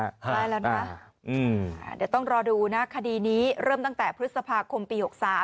ใช่แล้วนะเดี๋ยวต้องรอดูนะคดีนี้เริ่มตั้งแต่พฤษภาคมปี๖๓